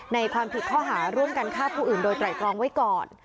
ในความผิดข้อหาร่วมกันฆ่าผู้อื่นโดยไตรตรองไว้ก่อน